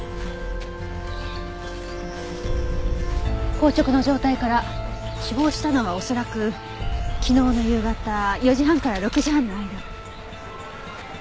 硬直の状態から死亡したのは恐らく昨日の夕方４時半から６時半の間。